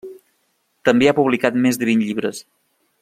També ha publicat més de vint llibres.